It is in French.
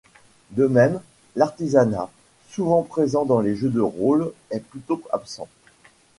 De même, l'artisanat, souvent présent dans les jeux de rôle, est plutôt absent.